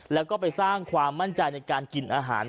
แล้วก็ไปสร้างความมั่นใจในการกินอาหาร